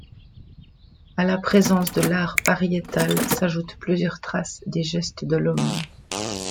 À la présence de l’art pariétal s’ajoutent plusieurs traces des gestes de l’homme.